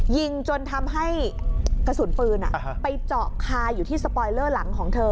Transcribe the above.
ยิงจนทำให้กระสุนปืนไปเจาะคาอยู่ที่สปอยเลอร์หลังของเธอ